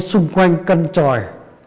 xung quanh căn tròi